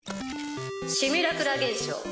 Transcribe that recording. シミュラクラ現象。